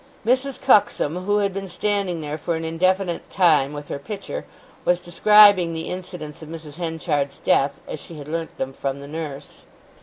Mrs. Cuxsom, who had been standing there for an indefinite time with her pitcher, was describing the incidents of Mrs. Henchard's death, as she had learnt them from the nurse.